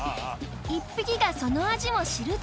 一匹がその味を知ると